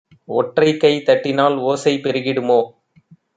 ஒற்றைக்கை தட்டினால் ஓசை பெருகிடுமோ